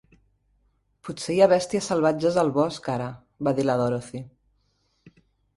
"Potser hi ha bèsties salvatges al bosc ara", va dir la Dorothy.